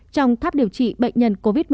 trong tháp điều trị bệnh nhân covid một mươi chín